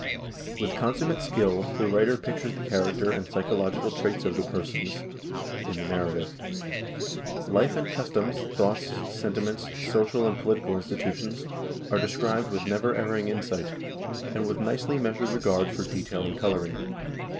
With consummate skill the writer pictures the character and psychological traits of the persons in the narrative. Life and customs, thoughts, sentiments, social and politi cal institutions, are described with never erring insight, and with nicely measured regard for detail and coloring.